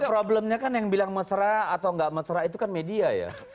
problemnya kan yang bilang mesra atau nggak mesra itu kan media ya